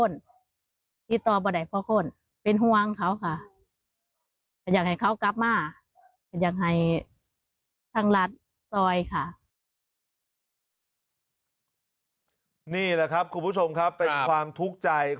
นี่แหละครับคุณผู้ชมครับเป็นความทุกข์ใจ